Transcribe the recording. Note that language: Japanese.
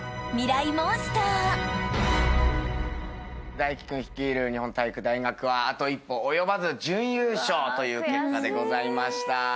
泰輝君率いる日本体育大学はあと一歩及ばず準優勝という結果でございました。